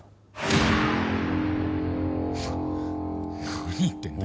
何言ってんだよ。